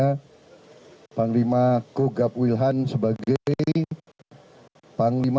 karena panglima kogab wilhan sebagai panglima